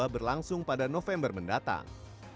berlangsung pada november mendatang